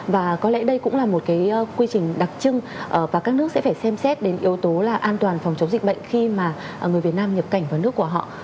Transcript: và có lẽ đây cũng là một cái quy trình đặc trưng và các nước sẽ phải xem xét đến yếu tố là an toàn phòng chống dịch bệnh khi mà người việt nam nhập cảnh vào nước của họ